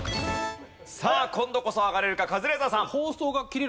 さあ今度こそ上がれるかカズレーザーさん。